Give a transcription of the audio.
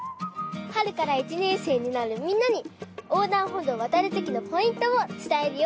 はるから１ねんせいになるみんなにおうだんほどうをわたるときのポイントをつたえるよ！